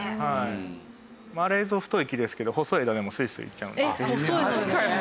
あれ映像太い木ですけど細い枝でもスイスイいっちゃうので。